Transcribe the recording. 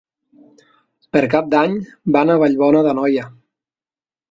Per Cap d'Any van a Vallbona d'Anoia.